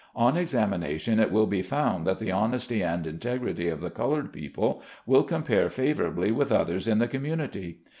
On examination it will be found that the honesty and integrity of the colored people will compare favorably with others in the community.